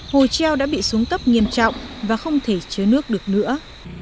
hồ treo đã bị xuống cấp nghiêm trọng và không thể chứa nước được nữa